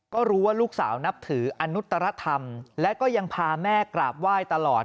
ก็รู้ว่าลูกสาวนับถืออนุตรธรรมและก็ยังพาแม่กราบไหว้ตลอด